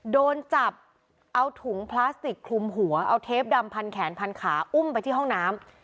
โดนจับเอาถุงพลาสติกคลุมหัวเอาเทปดำพันแขนพันขาอุ้มไปที่ห้องน้ำ